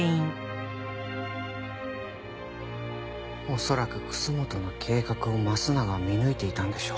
恐らく楠本の計画を益永は見抜いていたんでしょう。